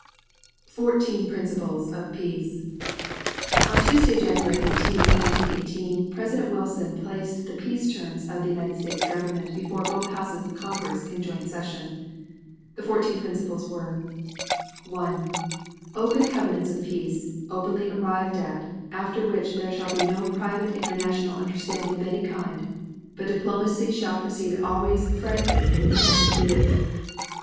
FOURTEEN PRINCIPLES OF PEACE On Tuesday, January 8, 1918, President Wilson placed the peace terms of the United States Government before both houses of Congress, in joint session. The fourteen principles were: 1. Open covenants of peace, openly arrived at, after which there shall be no private international understanding of any kind, but diplomacy shall proceed always frankly and in the public view.